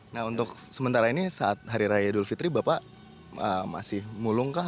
nah untuk sementara ini saat hari raya idul fitri bapak masih mulung kah